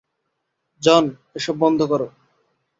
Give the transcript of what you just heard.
জন, এসব বন্ধ কর।